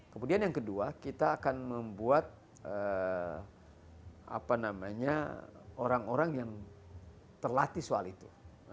kemudian yang kedua kita akan membuat orang orang yang terlatih soal itu